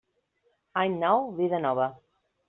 Any nou, vida nova.